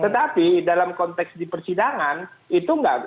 tetapi dalam konteks di persidangan itu tidak berbeda